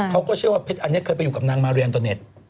เขาก็เชื่อว่าเพชรอันนี้เคยไปอยู่กับนางมาเรียนอินเตอร์เน็ต